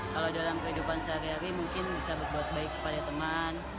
kalau dalam kehidupan sehari hari mungkin bisa berbuat baik kepada teman